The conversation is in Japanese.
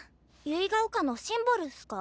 結ヶ丘のシンボルっすか？